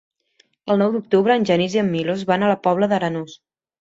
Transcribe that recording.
El nou d'octubre en Genís i en Milos van a la Pobla d'Arenós.